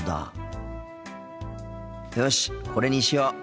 よしこれにしよう。